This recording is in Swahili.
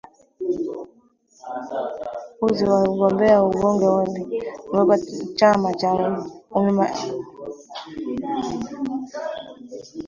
uzi wa wagombea ubunge nchini uganda kupitia chama cha nrm umemalizika huko jijini kampala